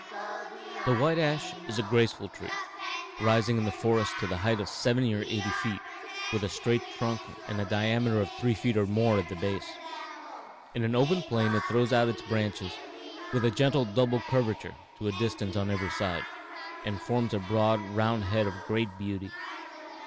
The white ash is a graceful tree, rising in the forest to the height of seventy or eighty feet, with a straight trunk and a diameter of three feet or more at the base. On an open plain it throws out its branches, with a gentle double curvature, to a distance on every side, and forms a broad, round head of great beauty.